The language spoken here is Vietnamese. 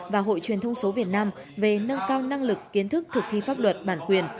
và hội truyền thông số việt nam về nâng cao năng lực kiến thức thực thi pháp luật bản quyền